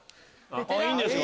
いいんですか？